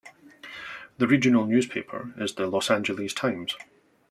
The regional newspaper is the "Los Angeles Times".